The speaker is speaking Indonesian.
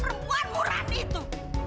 perempuan murani itu